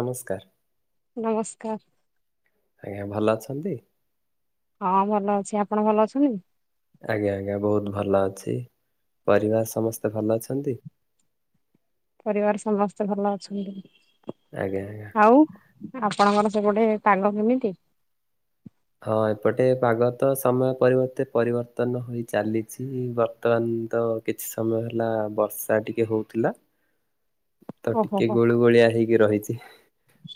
ନମସ୍କାର। ନମସ୍କାର। ଆଜ୍ଞା ଭଲ ଅଛନ୍ତି? ହଁ ଭଲ ଅଛି। ଆପଣ ଭଲ ଅଛନ୍ତି? ଆଜ୍ଞା ଆଜ୍ଞା ବହୁତ ଭଲ ଅଛି। ପରିବାର ସମସ୍ତେ ଭଲ ଅଛନ୍ତି? [inaudible] ପରିବାର ସମସ୍ତେ ଭଲ ଅଛନ୍ତି। ଆଜ୍ଞା ଆଜ୍ଞା। ଆଉ ଆପଣଙ୍କର ସେପଟେ ପାଗ କେମିତି? ହଁ ଏପଟେ ପାଗ ତ ସମୟ ପରିବର୍ତ୍ତେ ପରିବର୍ତ୍ତନ ହୋଇ ଚାଲିଛି ବର୍ତ୍ତମାନ ତ କିଛି ସମୟ ହେଲା ବର୍ଷା ଟିକେ ହଉଥିଲା ତ ଓହୋ ଟିକେ ହୋ ଗୁଳୁଗୁଳିଆ ହେଇକି ରହିଛି।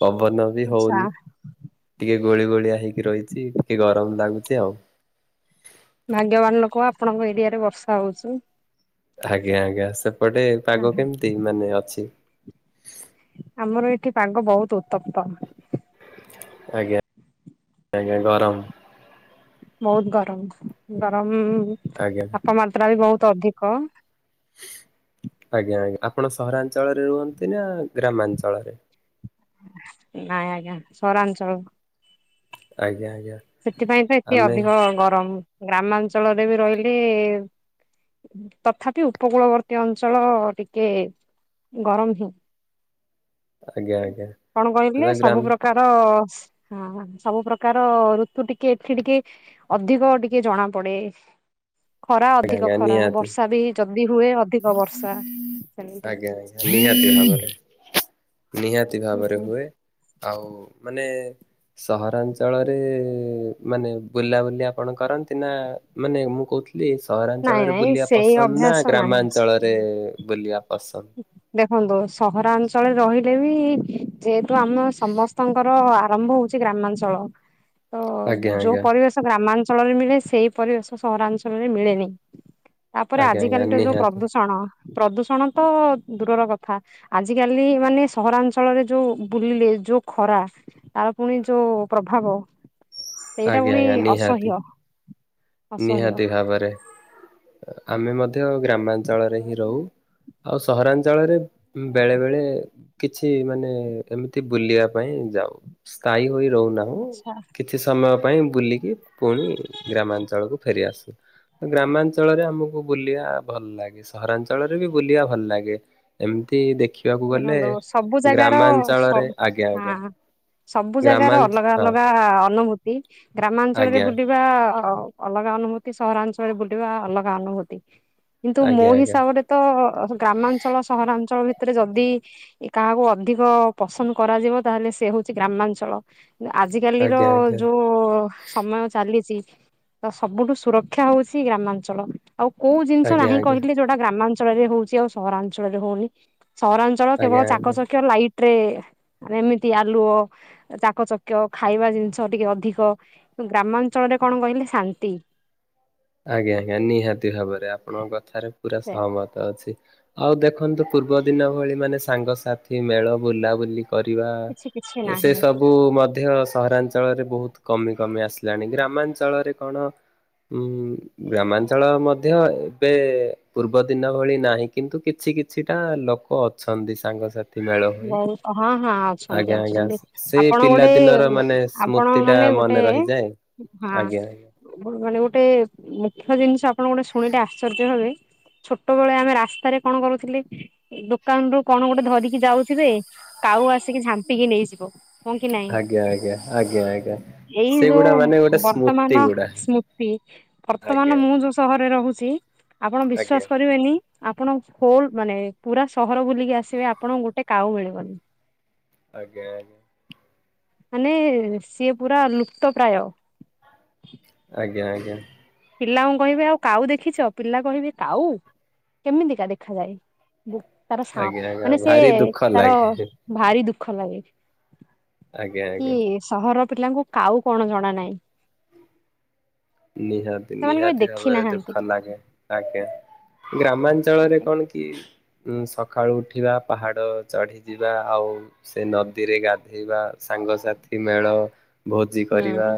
ପବନ ବି ଆଚ୍ଛା ହଉନି। ଟିକେ ଗୋଳି ଗୋଳିଆ ହେଇକି ରହିଛି। ଟିକେ ଗରମ ଲାଗୁଛି ଆଉ। ଭାଗ୍ୟବାନ ଲୋକ ଆପଣଙ୍କ ଏରିଆରେ ବର୍ଷା ହଉଚୁ। ଆଜ୍ଞା ଆଜ୍ଞା ସେପଟେ ପାଗ କେମିତି ମାନେ ଅଛି? ଆମର ଏଠି ପାଗ ବହୁତ ଉତ୍ତପ୍ତ। ଆଜ୍ଞା ଆଜ୍ଞା ଗରମ। ବହୁତ ଗରମ। ଗରମ ଆଜ୍ଞା ତାପମାତ୍ରା ବି ବହୁତ ଅଧିକ। ଆଜ୍ଞା ଆଜ୍ଞା ଆପଣ ସହରାଞ୍ଚଳରେ ରୁହନ୍ତି ନା ଗ୍ରାମାଞ୍ଚଳରେ? ନାଇଁ ଆଜ୍ଞା ସହରାଞ୍ଚଳ। ଆଜ୍ଞା ଆ ସେଥିପାଇଁ ତ ଏତେ ଅଧିକ ଗରମ ଗ୍ରାମାଞ୍ଚଳରେ ବି ରହିଲି ତଥାପି ଉପକୂଳବର୍ତ୍ତୀ ଅଞ୍ଚଳ ଟିକେ ଗରମ ହିଁ। ଆଜ୍ଞା ଆଜ୍ଞା କଣ କହିଲେ ହେଲା ସବୁ ଗ୍ରାମ ପ୍ରକାର ହଁ ସବୁ ପ୍ରକାର ରୁ ତୁ ଟିକେ ଏଠି ଟିକେ ଅଧିକ ଟିକେ ଜଣା ପଡେ ଖରା ଆଜ୍ଞା ଅଧିକ ଆଜ୍ଞା ଖରା ନିହାତି। ବର୍ଷା ବି ଯ ବି ହୁଏ ଅଧିକ ବର୍ଷା ସେମିତି ଆଜ୍ଞା ଆଜ୍ଞା ନିହାତି ଭାବରେ ନିହାତି ହୁଁ ଭାବରେ ହୁଁ ହୁଏ ଆଉ ମାନେ ସହରାଞ୍ଚଳରେ ମାନେ ବୁଲାବୁଲି ଆପଣ କରନ୍ତି ନା ମାନେ ମୁଁ କହୁଥି ଲି ନାଇଁ ସହରାଞ୍ଚଳରେ ନାଇଁ ବୁଲିବା ସେଇ ପସନ୍ଦ ନା ଅଭ୍ୟାସ ନାହିଁ ଗ୍ରାମାଞ୍ଚଳରେ ବୁଲିବା ପସନ୍ଦ? ଖନ୍ତୁ ସହରାଞ୍ଚଳରେ ରହିଲେ ବି ଯେହେତୁ ଆମ ସମସ୍ତଙ୍କର ଆରମ୍ଭ ହଉଛି ଗ୍ରା ମାଞ୍ଚଳ ତ ଆଜ୍ଞା ଯୋଉ ଆଜ୍ଞା ପରିବେଶ ଗ୍ରାମାଞ୍ଚଳରେ ମିଳେ ସେଇ ପରିବେଶ ସହରାଞ୍ଚଳରେ ମିଳେନି। ତାପରେ ଆଜ୍ଞା ଆଜ୍ଞା ଆଜିକାଲିର ଯୋଉ ନିହାତି ପ୍ରଦୂଷଣ। ପ୍ରଦୂଷଣ ତ ଦୂରର କଥା ଆଜିକାଲି ମାନେ ସହରାଞ୍ଚଳରେ ଯୋଉ ବୁଲିଲେ ଯୋଉ ଖରା ଆଉ ଫୁଣି ଯୋଉ ପ୍ରଭାବ। ସେଇଟା ଆଜ୍ଞା ପୁଣି ଆଜ୍ଞା ଅସହ୍ୟ ନିହାତି। ଅସହ୍ୟ ନିହାତି ଭାବରେ ଆମେ ମଧ୍ୟ ଗ୍ରାମାଞ୍ଚଳରେ ହିଁ ରୋହୁ। ଆଉ ସହରାଞ୍ଚଳରେ ବେଳେ ବେଳେ କିଛି ମାନେ ଏମିତି ବୁଲିବା ପାଇଁ ଯାଉ ସ୍ଥାୟୀ ହୋଇ ରୋହୁନାହୁଁ ଆଚ୍ଛା କିଛି ସମୟ ପାଇଁ ବୁଲିକି ପୁଣି ଗ୍ରାମାଞ୍ଚଳକୁ ଫେରି ଆସୁ। ଗ୍ରାମାଞ୍ଚଳରେ ଆମୁକୁ ବୁଲିବା ଭଲ ଲାଗେ ସହରାଞ୍ଚଳରେ ବି ବୁଲିବା ଭଲ ଲାଗେ ଏମିତି ଦେ ଖିବାକୁ ଗଲେ ଦେଖନ୍ତୁ ସବୁ ଜାଗାର ଗ୍ରାମାଞ୍ଚଳରେ ସବୁ ଆଜ୍ଞା ଆଜ୍ଞା। ହଁ ସବୁ ଜାଗାର ଗ୍ରାମାଞ୍ଚ ଅଲଗା ହଁ ଅଲଗା ଅନୁଭୂତି ଗ୍ରାମାଞ୍ଚଳରେ ଆଜ୍ଞା ବୁଲିବା ଅ ଅଲଗା ଅନୁଭୂତି ସହରାଞ୍ଚଳରେ ବୁଲିବା ଅଲଗା ଅନୁଭୂତି। କିନ୍ତୁ ମୋ ଆଜ୍ଞା ଆଜ୍ଞା ହିସାବରେ ତ ଗ୍ରାମାଞ୍ଚଳ ସହରାଞ୍ଚଳ ଭି ଯଦି କାହାକୁ ଅଧିକ ପସନ୍ଦ କରାଯିବ ତାହେଲେ ସେ ହୋଉଚି ଗ୍ରାମାଞ୍ଚଳ। ନା ଆଜିକାଲିର ଆଜ୍ଞା ଆଜ୍ଞା ଯୋଉ ସମୟ ଚାଲିଚି ତ ସବୁଠୁ ସୁରକ୍ଷା ହୋଉଛି ଗ୍ରାମାଞ୍ଚଳ ଆଉ କୋଉ ଜିନିଷ ଆଜ୍ଞା ଆଜ୍ଞା ନାହିଁ କହିଲେ ଯୋଉଟା ଗ୍ରାମା ଞ୍ଚଳରେ ହୋଉଚି ଆଉ ସହରାଞ୍ଚଳରେ ହୋଉନି ସହରାଞ୍ଚଳ କେବଳ ଆଜ୍ଞା ଆଜ୍ଞା। ଚାକଚକ୍ୟ ଲାଇଟ୍ ରେ ଆମେ ଏମିତି ଆଲୁଅ ଚାକଚକ୍ୟ ଖାଇବା ଜିନିଷ ଟିକେ ଅଧିକ କି ଗ୍ରାମାଞ୍ଚଳ ରେ କଣ କହିଲେ ଶାନ୍ତି। ଆଜ୍ଞା ଆଜ୍ଞା ନିହାତି ଭାବରେ ଆପଣଙ୍କ କଥାରେ ପୁରା ସେୟା ସହମତ ଅଛି। ଆଉ ଦେଖନ୍ତୁ ପୂର୍ବ ଦିନ ଭଳି ମାନେ ସାଙ୍ଗସାଥି ମେଳ ବୁଲାବୁଲି କରିବା କିଛି କିଛି ତ ସେ ନାହିଁ। ସବୁ ମଧ୍ୟ ସହରାଞ୍ଚଳରେ ବୋହୁତ କମି କମି ଆସିଲାଣି ଗ୍ରାମାଞ୍ଚଳରେ କଣ ଉଁ ଗ୍ରାମାଞ୍ଚଳ ମଧ୍ୟ ଏବେ ପୂର୍ବ ଦିନ ଭଳି ନାହିଁ କିନ୍ତୁ କିଛି କିଛି ଛି ଟା ଲୋକୋ ଅଛନ୍ତି ସାଙ୍ଗସା ଥି ମେଳ ହୋଇ ବହୁତ ହଁ ହଁ ଅଛନ୍ତି ଆଜ୍ଞା ଆଜ୍ଞା ଅଛନ୍ତି ସେ ଆପଣ ପିଲା ଗୋଟେ ଦିନର ମାନେ ଆପଣ ସ୍ମୃତି ଟା ମାନେ ଗୋଟେ ମନେ ରହିଯାଏ। ହଁ ଆଜ୍ଞା ଆଜ୍ଞା। ମାନେ ଗୋଟେ ମୁଖ୍ୟ ଜିନିଷ ଆପଣ ଗୋଟେ ଶୁଣିଲେ ଆଶ୍ଚର୍ଯ୍ୟ ହବେ। ଛୋଟୋ ବୋଳେ ଆମେ ରାସ୍ତାରେ କଣ କରୁଥିଲେ ଦୋକାନରୁୁ କଣ ଗୋଟେ ଧରିକି ଯାଉ ଥିବେ କାଉ ଆସିକି ଝାମ୍ପିକି ନେଇଯିବ। ହଁ କି ନାଇଁ ଆଜ୍ଞା ଆଜ୍ଞା ଆଜ୍ଞା ଆଜ୍ଞା। ଏଇ ସେଗୁଡା ଯୋଉ ମାନେ ଗୋଟେ ସ୍ମୃତି ବର୍ତ୍ତମାନ ଗୁଡା ସ୍ମୃତି ଆଜ୍ଞା ବର୍ତ୍ତମାନ ମୁଁ ଯୋଉ ସହରରେ ରୋହୁ ଛି ଆପଣ ଆଜ୍ଞା ଆଜ୍ଞା ବିଶ୍ଵାସ କରିବେନି। ଆପଣ ହୋଲୋ ମାନେ ପୁରା ସହର ବୁଲିକି ଆସିବେ ଆପଣଙ୍କୁ ଗୋଟେ କାଉ ମିଳିବନି। ଆଜ୍ଞା ଆଜ୍ଞା। ମାନେ ସିଏ ପୁରା ଲୁପ୍ତ ପ୍ରାୟ। ଆଜ୍ଞା ଆଜ୍ଞା। ପିଲାଙ୍କୁ କହିବେ ଆଉ କାଉ ଦେଖିଛ ପିଲା କହିବେ କାଉ କେମିତିକା ଦେଖାଯାଏ। ତାର ସା ଆଜ୍ଞା ଆଜ୍ଞା ମାନେ ଭାରି ସିଏ ଦୁଃଖ ତାର ଲାଗେ ଭାରି ଦୁଃ ଖ ନାଗେ ଆଜ୍ଞା କି ଆଜ୍ଞା। ସହର ପିଲାଙ୍କୁ କାଉ କଣ ଜଣା ନାଇଁ। ନିହାତି ନିହାତି ଭାବରେ ଦୁଃଖ ନାଗେ ଆଜ୍ଞା। ଗ୍ରାମାଞ୍ଚଳରେ କଣ କି ଉଁ ସଖାଳୁ ଉଠିବା ପାହାଡ ଚଢି ଯିବା ଆଉ ସେ ନଦୀରେ ଗାଧେଇବା। ସାଙ୍ଗସାଥି ମେଳ ଭୋଜି କରିବା ହୁଁ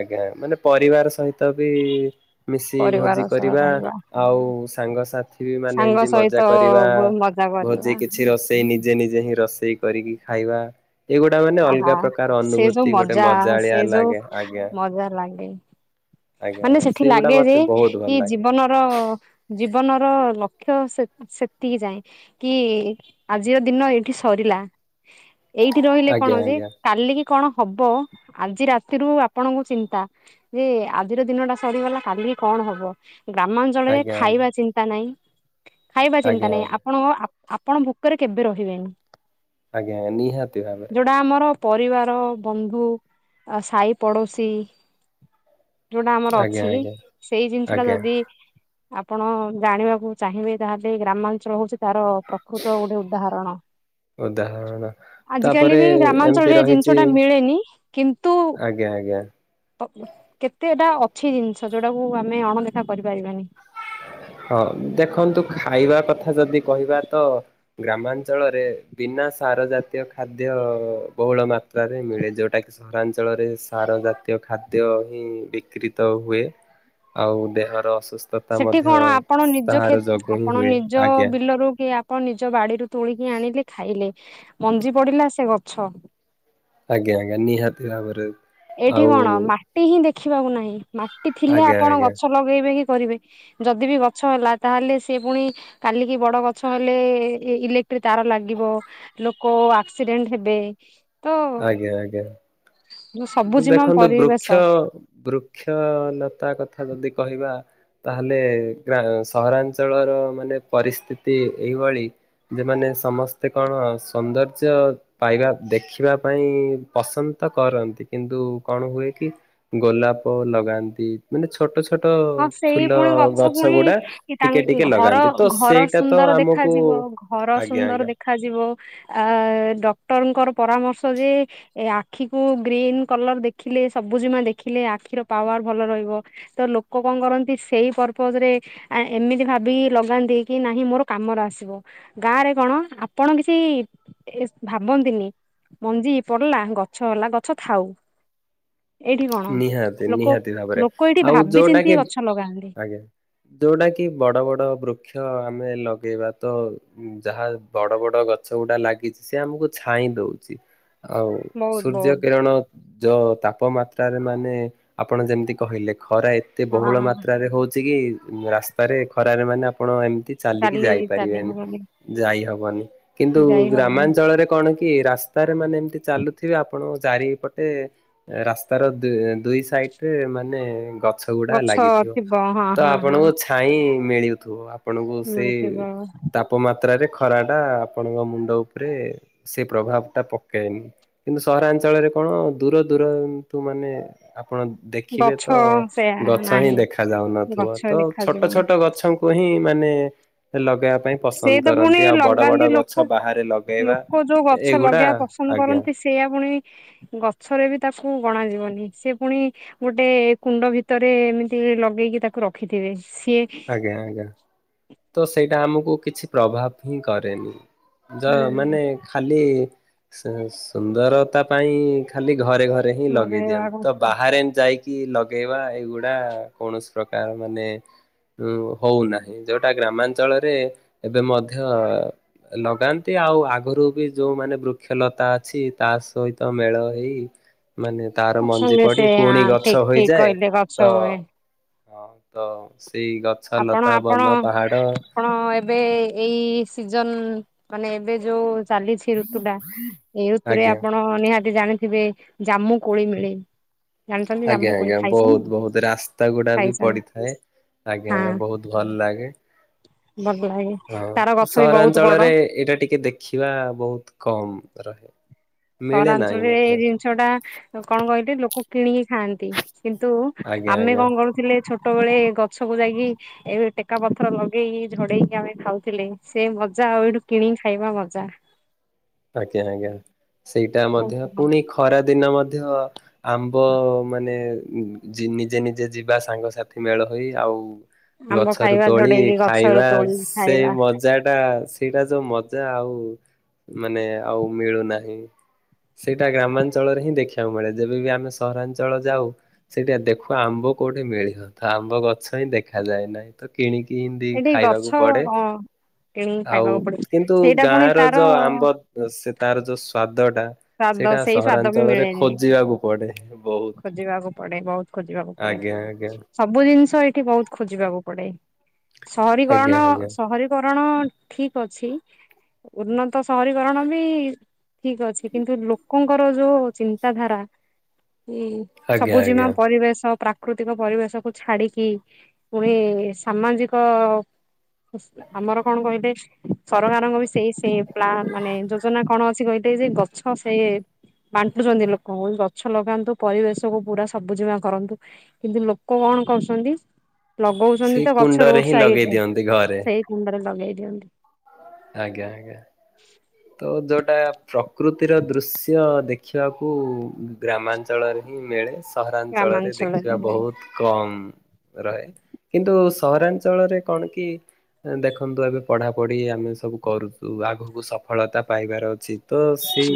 ଆଜ୍ଞା ମାନେ ପରିବାର ସହି ତ ବି ମିଶି ଭୋଜି ପରିବାର ସହ କରିବା ରହିବା ଆଉ ସାଙ୍ଗସା ଥି ବି ମାନେ ସାଙ୍ଗ ଏମିତି ସହିତ ମଜା କରିବା ମଜା ଭୋଜି କରିବା କିଛି ରୋଷେଇ ନି ଜେ ନିଜେ ହିଁ ରୋଷେଇ କରିକି ଖାଇବା। ଏଇ ଗୁଡା ମାନେ ଆହା ଅଲଗା ପ୍ରକାର ସେ ଯୋଉ ଅନୁଭୂତି ଗୋଟେ ମଜା ମଜାଳିଆ ସେ ଯୋଉ ଲାଗେ ଆଜ୍ଞା। ମଜା ଲାଗେ ଆଜ୍ଞା ମାନେ ଆଜ୍ଞା ସେଠି ସେଇଗୁଡା ଲାଗେ ଯେ ମତେ ବହୁତ ଭଲ କି ଲାଗେ ଜୀବନର ଜୀ ବନର ଲକ୍ଷ୍ୟ ସେ ସେତିକି ଯାଏଁ କି ଆଜିର ଦିନ ଏଇଠି ସରିଲା। [inaudible] ଏଇଠି ରହିଲେ ଆଜ୍ଞା କଣ ଯେ ଆଜ୍ଞା କାଲ କି କଣ ହବ ଆଜି ରାତିରୁ ଆପଣଙ୍କୁ ଚିନ୍ତା ଯେ ଆଜିର ଦିନ ଟା ସରିଗଲା କାଲି କଣ ହବ ଗ୍ରାମାଞ୍ଚଳରେ ଆଜ୍ଞା ଆଜ୍ଞା। ଖାଇବା ଚିନ୍ତା ନାହିଁ ଖାଇବା ଚିନ୍ତା ଆଜ୍ଞା ନାହିଁ ଆଜ୍ଞା ଆପଣଙ୍କ ଆପଣ ଭୋକରେ କେବେ ରହିବେନି ଆଜ୍ଞା ଆଜ୍ଞା ନିହାତି ଭାବରେ ଯୋଉଟା ଆମର ପରିବାର ବନ୍ଧୁ ସାହି ପଡ଼ୋଶୀ ଯୋଉଟା ଆମର ଆଜ୍ଞା ଅଛି ଆଜ୍ଞା ସେଇ ଜିନିଷ ଟା ଆଜ୍ଞା ଯଦି ଆପଣ ଜାଣିବାକୁ ଚାହିଁବେ ତାହେଲେ ଗ୍ରାମାଞ୍ଚଳ ହଉଛି ତାର ପ୍ରକୃତ ଗୋଟେ ଉଦାହରଣ ଉଦାହରଣ ଆଜ କାଲି ତାପରେ ବି ଏମିତି ଗ୍ରାମାଞ୍ଚଳରେ ରହିଛି ଜିନିଷ ଟା ମିଳେନି କିନ୍ତୁ ଆର୍ଜ୍ଞା କେତେ ଏଟା ଅଛି ଜିନିଷ ଯୋଉଟାକୁ ଆମେ ଅଣଦେଖା କରିପାରିବାନି ହଁ ଦେଖନ୍ତୁ ଖାଇବା କଥା ଯଦି କହିବା ତ ଗ୍ରାମାଞ୍ଚଳରେ ବିନା ସାର ଜାତୀୟ ଖାଦ୍ୟ ବହୁଳ ମାତ୍ରାରେ ମିଳେ ଯୋଉଟା କିି ସହରାଞ୍ଚଳରେ ସାର ଜାତ ଖାଦ୍ୟ ହିଁ ବିକ୍ରିତ ହୁଏ ଆଉ ଦେହର ଅସୁସ୍ଥତା ସେଠି ମଧ୍ୟ କଣ ଆପଣ ନିଜ ତାହାର ଯୋଗୁ ହିଁ ଆପଣ ହୁଏ ନିଜ ଆଜ୍ଞା ବିଲରୁ କି ଆପଣ ନିଜ ବାଡିରୁ ତୋଳିକି ଆଣିଲେ ଖାଇଲେ ମଞ୍ଜି ପଡିଲା ସେ ଗଛ ଆଜ୍ଞା ଆଜ୍ଞା ନିହାତି ଭାବରେ ଏଇଠି ଆଉ କଣ ମାଟି ହିଁ ଦେଖିବାକୁ ନାହିଁ ମାଟି ଥିଲେ ଆଜ୍ଞା ଆପଣ ଆଜ୍ଞା ଗଛ ଲଗେଇବେ କି ପାରିବେ ଯଦି ବି ଗଛ ହେଲା ତାହେଲେ ସେ ପୁଣି କାଲିକି ବଡ ଗଛ ହେଲେ ତାର ଲାଗିବ ଲୋକ ଆକ୍ସିଡେଣ୍ଟ ହେବେ ତ ଆଜ୍ଞା ଆଜ୍ଞା ତ ସବୁଜିମା ଦେଖନ୍ତୁ ବୃକ୍ଷ ପରିବେଶ ବୃକ୍ଷଲତା କଥା ଯଦି କହିବା ତାହେଲେ ଗ ସହରାଞ୍ଚଳର ମାନେ ପରିସ୍ଥିତି ଏଇଭଳି ଯେମାନେ ସମସ୍ତେ କଣ ସୌନ୍ଦର୍ଯ୍ୟ ପାଇବା ଦେଖିବା ପାଇଁ ପସନ୍ଦ କରନ୍ତି କିନ୍ତୁ କଣ ହୁଏ କି ଗୋଲାପ ଲଗାନ୍ତି ମାନେ ଛୋଟ ଛୋଟ ଟ ହଁ ସେଇ ଫୁଲ ପୁଣି ଗଛ ପୁଣି ଗୁଡା ଟିକେ ତାଙ୍କ ଟିକେ ଘର ଲଗାନ୍ତି ତ ଘର ସେଇଟା ତ ସୁନ୍ଦର ଆମକୁ ଦେଖାଯିବ ଘର ଆଜ୍ଞା ସୁନ୍ଦର ଆଜ୍ଞା ଦେଖାାଯିବ ଆ ଡକ୍ଟରଙ୍କର ପରାମର୍ଶ ଯେ ଆଖିକୁ ଗ୍ରୀନ କଲର ଦେଖିଲେ ସବୁଜମା ଦେଖିଲେ ଆଖିର ପାୱାର ଭଲ ରହିବ ତ ଲୋକ ଲୋକ କଣ କରନ୍ତି ସେଇ ପର୍ପଜ ରେ ଏମିତି ଭାବିକି ଲଗାନ୍ତି କି ନାହିଁ ମୋର କାମରେ ଆସିବ ଗାଁ ରେ କଣ ଆପଣ କିଛି ଏସ୍ ଭାବନ୍ତିନି। ମଞ୍ଜି ପଡିଲା ଗଛ ହେଲା ଗଛ ଥାଉ, ଏଇଠି କଣ ନିହାତି ଲୋକ ଲୋକ ଏଇଠି ଭାବିଚନ୍ତି, ଏବ୍ ଆଜ୍ଞା ଯୋଉଟା କି ବଡ଼ ବଡ଼ ବୃକ୍ଷ ଆମ୍ ମେଲ ଲଗେଇବା ତ ଯାହା ବଡ ବଡ ଗଛ ଗୁଡା ଲାଗିଛି ସେ ଆମକୁ ଛାଇଁ ଦଉଛି। ଆଉ ବହୁତ ସୂର୍ଯ୍ୟ ବହୁତ କିରଣ ଯୋଉ ତାପମାତ୍ରାରେ ମାନେ ଆପଣ ଯେମିତି କହିଲେ। ଖରା ଏତେ ବହୁଳ ହଁ ମାତ୍ରାରେ ହଉଛି କି ରାସ୍ତାରେ ଖରାରେ ମାନେ ଆପଣ ଏମ କି ଚାଲିକି ଚାଲି ଚାଲି ଯାଇପାରିବେନି ହବନି ଯାଇହବନି କିନ୍ତୁ ଯାଇ ହବନି ଗ୍ରାମାଞ୍ଚଳରେ କଣ, କି ରାସ୍ତାରେ ମାନେ ଏମତି ଚାଲୁଥିବେ ଆପଣଙ୍କ ଜାରି ପଟେ ରାସ୍ ତାର ଦେ ଦୁଇ ସାଇଟରେ ମାନେ ଗ ଛ ଗୁଡ଼ା ଗଛ ଲାଗିଥିବ ଥିବ ହଁ ତ ହଁ ହଁ ଆପଣଙ୍କୁ ଛାଇଁ, ମିଳୁଥିବ ଆପଣଙ୍କୁ ସେଇ ମିଳୁଥିବ ତାପମାତ୍ରାରେ, ଖରା ଟା ଆପଣଙ୍କ ମୁଣ୍ଡ ଉପରେ ସେ ପ୍ରଭାବ ଟା ପକେଇନି କିନ୍ତୁ ସହରାଞ୍ଚଳରେ, କଣ ଦୂର ଦୂରାନ୍ତୁ ମାନେ ଆ ଆପଣ ଦେଖିବେ ଗଛ ତ ସେୟା ଗଛ ହିଁ ନାହିଁ ଦେଖ ଯାଉନଥିବ ଗଛ ତ ଛୋଟ ଦେଖାଯିବନି ଛୋଟ ଗଛଙ୍କୁ ହିଁ, ମାନେ, ଲଗେଇବା ପାଇଁ ସେ ପସନ୍ଦ ତ ପୁଣି କରନ୍ତି ଆଉ ବଡ଼ ବଡ଼ ଲଗାନ୍ତି ଗଛ ଲୋକ ବାହାରେ ଲଗେଇବା ଏଇଗୁଡା, କଣ କରନ୍ତି ସେଏ ଆ ପୁଣି, ଗଛରେ ବି ତାକୁ ଗଣାଯିବନି ସେ ପୁଣି ଗୋଟେ କୁଣ୍ଡ ଭିତରେ ଏମିତି, ଲଗେଇକି ତାକୁ ରଖିଥିବେ। ସିଏ ଆଜ୍ଞା ଆଜ୍ଞା ତ ସେଇଟା ଆମକୁ କିଛି ପ୍ରଭାବ ହିଁ କରେନି। ଯ ହୁଁ ମାନେ ଖାଲି ସୁ ସୁନ୍ଦରତା ପାଇଁ ଖାଲି ଘରେ ଘରେ ହିଁ ଲଗେଇ ଲଗେଇବା ଦିଅନ୍ତି ତ ବାହାରେ ଯାଇ କି ଲଗେଇବା ଏଇଗୁଡା କୌଣସି ପ୍ରକାର ମାନେ ଉଁ ହଉନାହିଁ ଯୋଉଟା ଗ୍ରାମାଞ୍ଚଳରେ ଏବେ ମଧ୍ୟ ଲଗାନ୍ତି ଆଉ ଆଗରୁ ବି ଯୋଉମାନେ ବୃକ୍ଷଲତା ଅଛି ତା ସହିତ ମେଳ ହୋଇ ମାନେ ତାର ମଞ୍ଜି ଅଛନ୍ତି ପଡି ସେ ପୁଣି ଗଛ ଠିକ ଠିକ ହୋଇଇଯାଏ କହିଲେ ଗଛ ତ ହୁଏ ହଁ ତ ସ ଆପଣ ଆପଣ ଆପଣ ଏବେ ଏଇସ୍ ସିଜନ ମାନେ ଏବେ ଯୋଉ ଚାଲିଛି ଋତୁ ଟା ଏଇ ଋତୁରେ ଆଜ୍ଞା ଆପଣ ନିହା ତି ଜାଣିଥିବେ ଜାମୁ କୋଳି ମିଳେ। ଜାଣିଛନ୍ତି ଆଜ୍ଞା ଜାମୁ କୋଳି ଆଜ୍ଞା ଖାଇଛନ୍ତି ବହୁତ ନା? ବହୁତ ରାସ୍ତା ଗୁଡା ବି ଖାଇଛନ୍ତି ପଡିଥାଏ ଆଜ୍ଞା। ଆଜ୍ଞା ଆଜ୍ଞା ହଁ ବହୁତ ଭଲ ଲାଗେ। ଭଲ ଲାଗେ ହଁ ତାର ଗଛ ବି ବହୁତ ବଡ ସହରାଞ୍ଚଳରେ ଏଇଟା ଟିକେ ଦେଖିବା ବହୁତ କମ। ରହେ। ମିଳେ ନାହିଁ ସହରାଞ୍ଚଳରେ ମଧ୍ୟ ଏଇ ଜିନିଷ ଟା କଣ କହିଲି ଲୋକ କିଣିକି ଖାଆନ୍ତି। କିନ୍ତୁ ଆଜ୍ଞା ଆମେ ଆଜ୍ଞା। କଣ କରୁଥିଲେ ଛୋଟ ଛୋଟବେଳେ ଗଛକୁ ଯାଇକି ଏବେ ଟେକା ପଥର ଲଗେଇକି ଝଡେଇକି ଆମେ ଖାଉଥିଲେ ସେ ମଜା ଆଉ ଏଇଠୁ କିଣିକି ଖାଇବା ମଜା। ଆଜ୍ଞା ଆଜ୍ଞା ସେଇଟା ମଧ୍ୟ ପୁଣି ଖରା ଦିନ ମଧ୍ୟ ମଧ୍ୟ ଆମ୍ବ ମାନେ ଜି ନିଜେ-ନିଜେ ଯିବା ସାଙ୍ଗସାଥି ମେଳ ହୋଇ ଆଉ। ଆମ୍ବ ଗଛରୁ ଖାଇବା ତୋଳି ଝଡେଇକି ଗଛରୁ ଖାଇବା ତୋଳିକି ସେ ଖାଇବା ମଜା ଟା ଆଉ ସେଇଟା ଯୋଉ ମଜା ଆଉ ମାନେ ଆଉ ମିଳୁନାହିଁ। ସେଇଟା ଗ୍ରାମାଞ୍ଚଳରେ ହିଁ ଦେଖିବାକୁ ମିଳେ ଯେବେ ବି ଆମେ ସହରାଞ୍ଚଳ ଯାଉ ସେଇଟା ଦେଖୁ ଆମ୍ବ। କୋଉଠି ମିଳିବ ଥା ଆମ୍ବ ଗଛ ହିଁ ଦେଖାଯାଏ ନାହିଁ ତ କିଣିକି ପିନ୍ଧି ଏଠି ଗଛ ଖାଇବାକୁ ପଡେ କଣ କିଣିକି ଆଉ ଖାଇବାକୁ ପଡିବ କିନ୍ତୁ ସେଇଟା ଗାଁ ପୁଣି ର ତାର ଯୋଉ ଆମ ଓ ସେ ତାର ଯୋଉ ସ୍ଵାଦ ଟା ସ୍ଵାଦ ସେଇଟା ସେଇ ସ୍ଵାଦ ବି ସହରାଞ୍ଚଳରେ ମିଳେନି ଖୋଜିବାକୁ ପଡେ। ବହୁତ ଖୋଜିବାକୁ ପଡ଼ିବ ବହୁତ ଖୋଜିବାକୁ ପଡ଼େ ଆଜ୍ଞା ଆଜ୍ଞା। ସବୁ ଜିନିଷ ତ ଏଇଠି ବହୁତ ଖୋଜିବାକୁ ପଡ଼େ ଆଜ୍ଞା ସହରୀଗଣନ ଆଜ୍ଞା ସହରୀଗ ଗରଣ ଠିକ୍ ଅଛି ଉନ୍ନତ ସହରୀଗରଣ ବି ଠିକ ଅଛି କିନ୍ତୁ ଲୋକଙ୍କର ଯୋଉ ଚିନ୍ତାଧାରା। ଆଜ୍ଞା ସବୁଜିମା ଆଜ୍ଞା ପରିବେଶ ପ୍ରା ପ୍ରାକୃତିକ ପରିବେଶକୁୁ ଛାଡିକି ପୁଣି ସାମାଜିକ ଆମର କଣ କହିଲେ ସରକାରଙ୍କ ବି ସେଇ ସେ ପ୍ ମାନେ ଯୋଜନା କଣ ଅଛି କହିଲେ ଗ ଯେ ଗଛ ସେ ବାଣ୍ଟୁଛନ୍ତି ଲୋକଙ୍କୁ ଗଛ ଛ ଲଗାନ୍ତୁ ପରିବେଶ କୁ ପୁରା ସବୁଜମା କରନ୍ତୁ କିନ୍ତୁ ଲୋକ କଣ କରୁଛନ୍ତି। ଲଗଉଛନ୍ତି ସେଇ ତ ଗଛ କୁଣ୍ଡରେ ରୋଡ ହିଁ ଲଗେଇ ସାଇଡରେ ଦିଅନ୍ତି ଘରେ ସେଇ କୁଣ୍ଡରେ ଲଗେଇ ଦିଅନ୍ତି। ଆଜ୍ଞା ଆଜ୍ଞା। ତ ଯୋଉଟା ପ୍ରକୃତିର ଦୃଶ୍ୟ ଦେଖିବାକୁ ଗ୍ରାମାଞ୍ଚଳରେ ହିଁ ମିଳେ ସହରାଞ୍ଚଳରେ ଦେଖିବା ଗ୍ରାମାଞ୍ଚଳରେ ବହୁତ କମ୍। ରହେ କିନ୍ତୁ ସହରାଞ୍ଚଳରେ କଣ କି? ଦେଖନ୍ତୁ ଏବେ ପଢାପଢି ଆମେ ସବୁ କରୁଛୁ ଆଗକୁ ସ ସଫଳତା ପାଇବାର ଅଛି ତ ସେଇ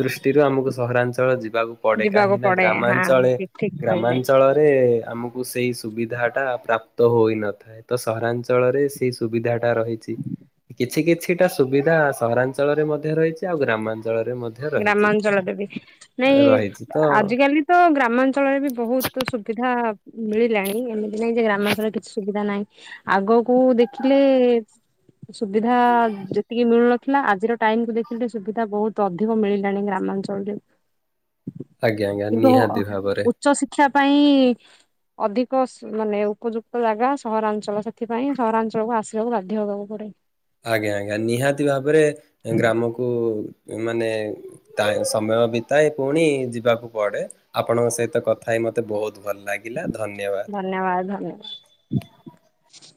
ଦୃଷ୍ଟିରୁ ଆମକୁ ସହରାଞ୍ଚଳ ଯିବାକୁ ପଡେ ଯିବାକୁ କାହିଁକି ନା ପଡେ ହଁ ଗ୍ରାମାଞ୍ଚଳେ ଠିକ ଠିକ କହିଲେ। ଗ୍ରାମାଞ୍ଚଳରେ ଆମକୁ ସେଇ ସୁବିଧା ଟା ପ୍ରାପ୍ତ ହୋଇନଥାଏ ତ ସହରାଞ୍ଚଳରେ ସେଇ ସୁବିଧାଟା ରହିଛି। କିଛି କିଛିଟା ସୁବିଧା ସହରାଞ୍ଚଳରେ ମଧ୍ୟ ରହିଛି ଆଉ ଗ୍ରାମାଞ୍ଚଳ ଗ୍ରାମାଞ୍ଚଳରେ ବି ନାଇଁ ରହିଛି ତ ଆଜିକାଲି ତ ଗ୍ରାମାଞ୍ଚଳରେ ବି ବହୁତ ସୁବି ବିଧା। ମିଳିଲାଣି ଏମିତି ନାଇଁ ଯେ ଗ୍ରାମାଞ୍ଚଳରେ କିଛି ସୁବିଧା ନାହିଁ ଆଗକୁ ଦେଖିଲେ ସୁବିଧା ଯେତିକି ମିଳୁନଥିଲା ଆଜିର ଟାଇମକୁୁ ଦେଖିଲେ ସୁବିଧା ବହୁତ ଅଧ ଅଧିକ ମିଳିଲାଣି ଗ୍ରାମାଞ୍ଚଳରେ ଆଜ୍ଞା ଆଜ୍ଞା କିନ୍ତୁ ନିହାତି ଭାବରେ ଉଚ୍ଚ ଶିକ୍ଷା ପାଇଁ ଅଧିକ ମାନେ ଉପଯୁକ୍ତ ଜାଗା ସହରାଞ୍ଚଳ ସେଥିପାଇଁ ସହରାଞ୍ଚଳକୁ ଆସିବାକୁ ବାଧ୍ୟ ହେବାକୁ ପଡେ ଆଜ୍ଞା ଆଜ୍ଞା ନିହାତି ଭାବରେ ଗ୍ରାମକୁ ମାନେ ସମୟ ବିତାଏ ପୁଣି ଯିବାକୁ ପଡେ ଆପଣଙ୍କ ସହିତ କଥା ହେ ମତେ ବହୁତ ଭଲ ଲାଗିଲା ଧନ୍ୟବାଦ। ଧନ୍ୟବାଦ ଧନ୍ୟବାଦ